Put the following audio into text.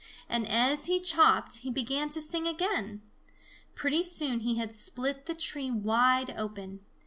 And as he chopped, he began to sing again. Pretty soon he had split the tree wide open.